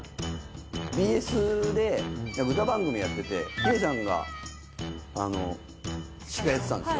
ＢＳで歌番組やってて、ヒデさんが司会やってたんですよ。